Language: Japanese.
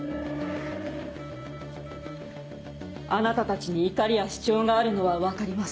あなたたちに怒りや主張があるのは分かります。